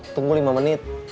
tunggu lima menit